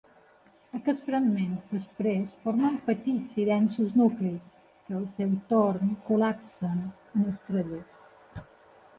Aquests fragments després formen petits i densos nuclis, que al seu torn col·lapsen en estrelles.